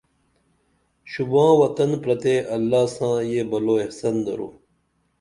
شوباں وطن پرتے اللہ ساں یہ بلو احسن درو